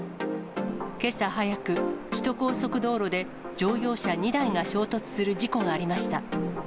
けさ早く、首都高速道路で、乗用車２台が衝突する事故がありました。